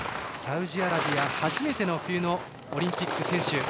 サウジアラビア初めての冬のオリンピック選手。